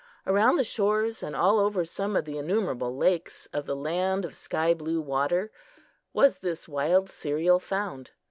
Around the shores and all over some of the innumerable lakes of the "Land of Sky blue Water" was this wild cereal found.